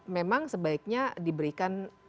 memang sebaiknya diberikan